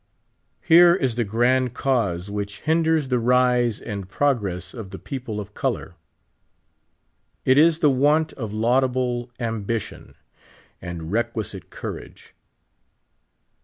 Here is the grand cause which hinders the rise and progress of the people of color. It is the want of laudable ambition and requisite courage.